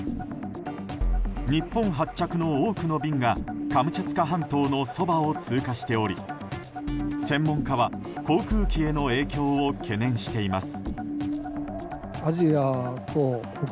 日本発着の多くの便がカムチャツカ半島のそばを通過しており専門家は航空機への影響を懸念しています。